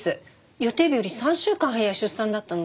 予定日より３週間早い出産だったので。